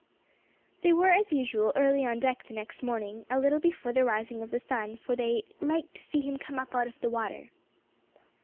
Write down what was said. They were as usual early on deck the next morning, a little before the rising of the sun, for they "liked to see him come up out of the water."